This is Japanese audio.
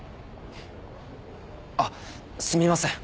フッ。あっすみません。